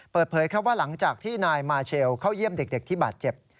เปิดเผยครับว่าหลังจากที่นายมาเชลเข้าเยี่ยมเด็กที่บาดเจ็บ